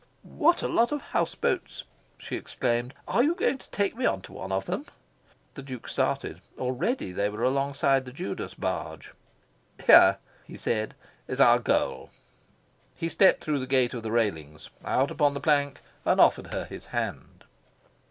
"What a lot of house boats!" she exclaimed. "Are you going to take me on to one of them?" The Duke started. Already they were alongside the Judas barge. "Here," he said, "is our goal." He stepped through the gate of the railings, out upon the plank, and offered her his hand.